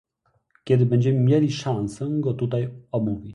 Kiedy będziemy mieli szansę go tutaj omówić?